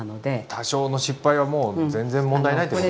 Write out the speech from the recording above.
多少の失敗はもう全然問題ないということですね。